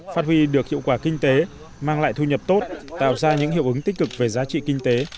phát huy được hiệu quả kinh tế mang lại thu nhập tốt tạo ra những hiệu ứng tích cực về giá trị kinh tế